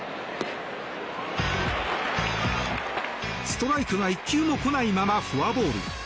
ストライクが１球も来ないままフォアボール。